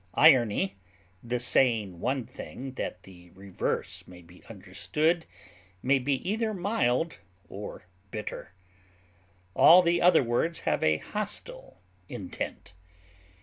Irony, the saying one thing that the reverse may be understood, may be either mild or bitter. All the other words have a hostile intent.